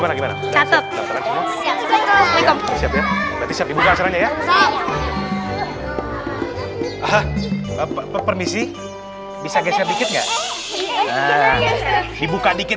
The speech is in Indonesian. abang the popper bisa geser dikit dibuka dikit